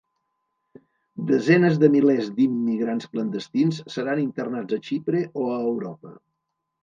Desenes de milers d'immigrants clandestins seran internats a Xipre o a Europa.